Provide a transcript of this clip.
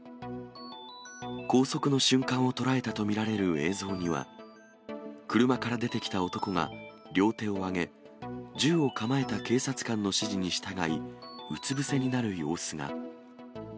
拘束の瞬間を捉えたと見られる映像には、車から出てきた男が両手を上げ、銃を構えた警察官の指示に従い、うつ伏せになる様子が。